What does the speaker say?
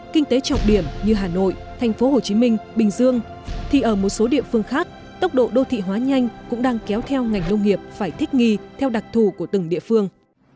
các địa điểm như hà nội tp hcm bình dương thì ở một số địa phương khác tốc độ đô thị hóa nhanh cũng đang kéo theo ngành nông nghiệp phải thích nghi theo đặc thù của từng địa phương